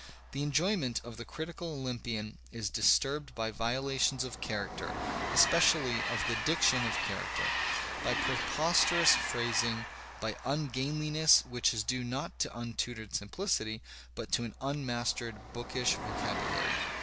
The enjoyment of the critical Olympian is disturbed by violations of character, especially of the diction of character, by preposterous phrasing, by ungainliness which is due not to untutored simplicity, but to an unmastered bookish vocabulary.